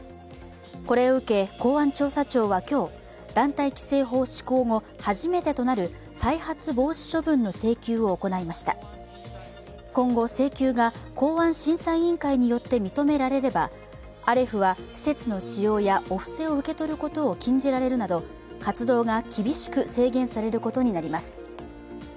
これを受け、公安調査庁は今日、団体規制法施行後、初めてとなる再発防止処分の請求を行いました今後、請求が公安審査委員会によって認められればアレフは施設の使用や御布施を受け取ることを禁じられるなど活動が厳しく制限されることになります。